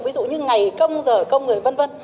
ví dụ như ngày công giờ công rồi vân vân